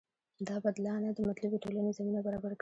دا بدلانه د مطلوبې ټولنې زمینه برابره کړي.